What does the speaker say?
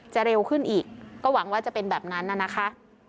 เร็วขึ้นอีกก็หวังว่าจะเป็นแบบนั้นน่ะนะคะ